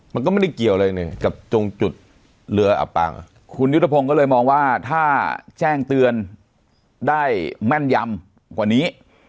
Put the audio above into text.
มันก็ไม่ได้เกี่ยวอะไรเลยกับตรงจุดเรืออับปังคุณยุทธพงศ์ก็เลยมองว่าถ้าแจ้งเตือนได้แม่นยำกว่านี้